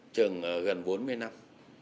chừng gần bốn mươi năm